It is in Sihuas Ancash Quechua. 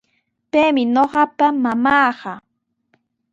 Paymi ñuqapa mamaaqa.